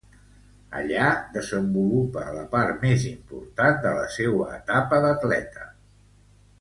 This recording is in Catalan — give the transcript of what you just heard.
Allí desenvolupa la part més important de la seua etapa d'atleta.